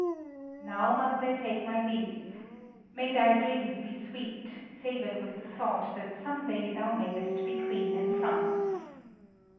Now must I take my leave. May thy dreams be sweet, savored with the thought that some day thou mayst be Queen in France."